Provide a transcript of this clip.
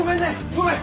ごめん！